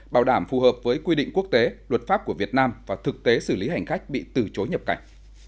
bảo đảm phù hợp với quy định quốc tế luật pháp của việt nam và thực tế xử lý hành khách bị từ chối nhập cảnh